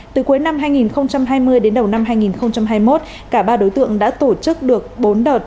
từ cuối năm hai nghìn hai mươi đến đầu năm hai nghìn hai mươi một cả ba đối tượng đã tổ chức được bốn đợt